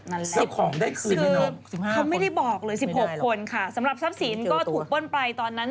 เจ้าของได้คืน๑๕เขาไม่ได้บอกเลย๑๖คนค่ะสำหรับทรัพย์สินก็ถูกป้นไปตอนนั้น